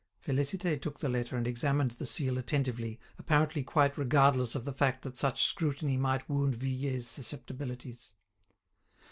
Félicité took the letter and examined the seal attentively, apparently quite regardless of the fact that such scrutiny might wound Vuillet's susceptibilities.